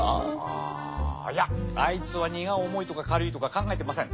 あいやあいつは荷が重いとか軽いとか考えてません。